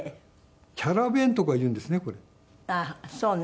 キャラ弁とかいうんですね